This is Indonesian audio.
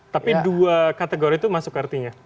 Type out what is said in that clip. tapi dua kategori itu masuk artinya